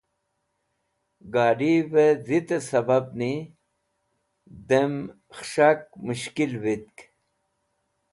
Gadivẽ dhitẽ sẽbabẽni dam khẽs̃hak mushkil vitk.